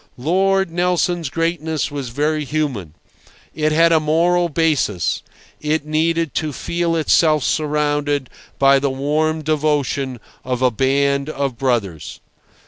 Lord Nelson's greatness was very human. It had a moral basis; it needed to feel itself surrounded by the warm devotion of a band of brothers.